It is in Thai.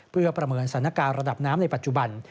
เพื่อประเมินสถานการณ์ระดับน้ำในปัจจุบัน